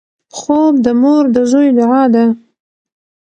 خوب د مور د زوی دعا ده